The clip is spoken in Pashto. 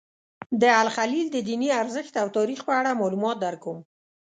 د الخلیل د دیني ارزښت او تاریخ په اړه معلومات درکوم.